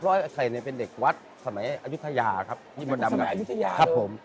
เพราะไอ้ไข่เนี่ยเป็นเด็กวัดสมัยอายุทธยาครับอ๋อนั้นก็สมัยอายุทธยาเลยครับผม